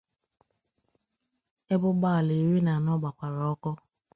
ebe ụgbọala iri na anọ gbakwara ọkụ